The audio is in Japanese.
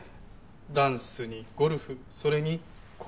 ダンスにゴルフそれにコーラス。